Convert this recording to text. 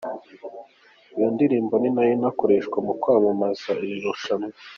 Iyo ndirimbo ni na yo ikoreshwa mu kwamamaza iri rushanwa.